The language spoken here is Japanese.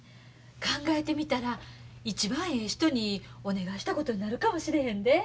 考えてみたら一番ええ人にお願いしたことになるかもしれへんで。